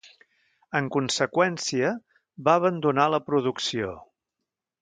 En conseqüència, va abandonar la producció.